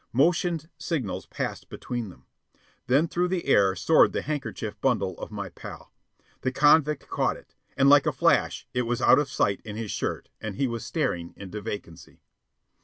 Motioned signals passed between them. Then through the air soared the handkerchief bundle of my pal. The convict caught it, and like a flash it was out of sight in his shirt and he was staring into vacancy.